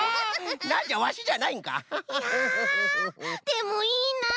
でもいいな！